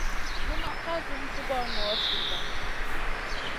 Unma ka zum tugora gnor zida.